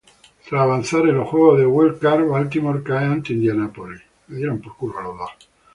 Tras avanzar en los juegos de wild-card, Baltimore cae ante Indianapolis.